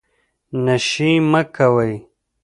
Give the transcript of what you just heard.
نشې مه کوئ